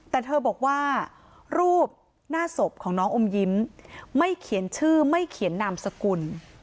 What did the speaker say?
แต่เธอบอกว่ารูปหน้าศพของน้องอมยิ้มไม่เขียนชื่อไม่เขียนนามสกุล